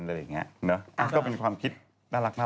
เนอะก็เป็นความคิดน่ารักอะเนอะ